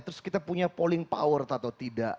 terus kita punya polling power atau tidak